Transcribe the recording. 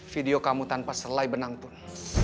video kamu tanpa selai benang tun